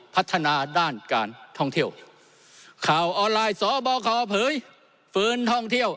พัฒนาด้านการท่องเที่ยวข่าวออนไลน์สบคเผยฟื้นท่องเที่ยว